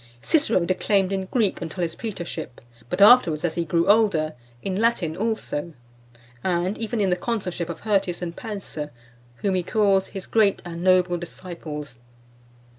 Cicero declaimed in Greek until his praetorship, but afterwards, as he grew older, in Latin also; and even in the consulship of Hirtius and Pansa , whom he calls "his great and noble disciples."